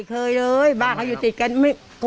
ไม่เคยเลยบ้างเขาอยู่ติดกันไม่กลัว